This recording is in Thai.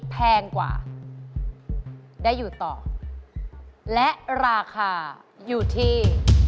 แพงกว่าได้อยู่ต่อและราคาอยู่ที่